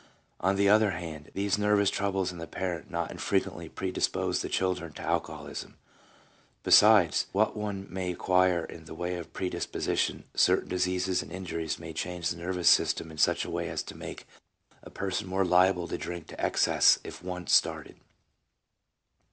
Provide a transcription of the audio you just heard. On the other hand, these nervous troubles in the parent not infrequently predispose the children to alcoholism. Besides what one may acquire in the way of pre disposition, certain diseases and injuries may change the nervous system in such a way as to make a person more liable to drink to excess if once started.